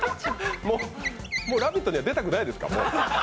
「ラヴィット！」にはもう出たくないですか？